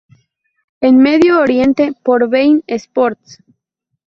En Medio Oriente por Bein Sports.